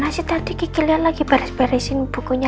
nanti tadi kiki lian lagi beres beresin bukunya